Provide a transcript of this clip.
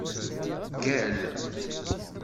Ggal.